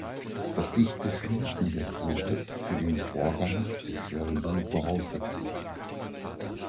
Das dichte Schließen der Tore ist für den Vorgang der Schleusung Voraussetzung.